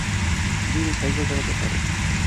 বিল cycle চালাতে পারে।